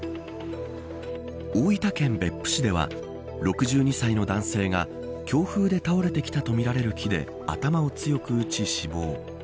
大分県別府市では６２歳の男性が強風で倒れてきたとみられる木で頭を強く打ち、死亡。